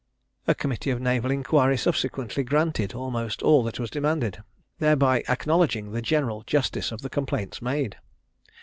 A committee of naval inquiry subsequently granted almost all that was demanded, thereby acknowledging the general justice of the complaints made.